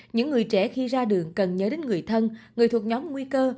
những người trẻ khi ra đường cần nhớ đến người thân người thuộc nhóm nguy cơ